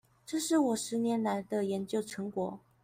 這是我十年來的研究成果